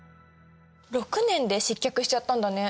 ６年で失脚しちゃったんだね。